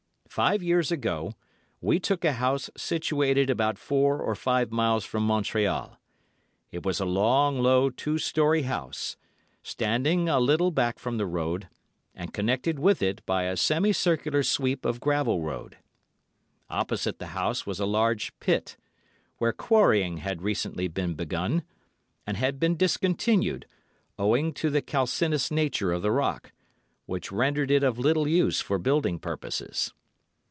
Five years ago we took a house situated about four or five miles from Montreal. It was a long, low, two storey house, standing a little back from the road, and connected with it by a semi circular sweep of gravel road. Opposite the house was a large pit, where quarrying had recently been begun, but had been discontinued, owing to the calcinous nature of the rock, which rendered it of little use for building purposes.